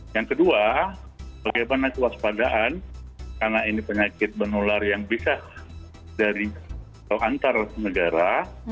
yang kedua bagaimana kewaspadaan karena ini penyakit menular yang bisa dari antar negara